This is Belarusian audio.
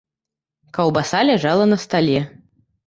Каўбаса ляжала на стале.